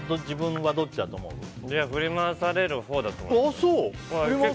田中は振り回されるほうだと思います。